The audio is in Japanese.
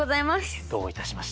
どういたしまして。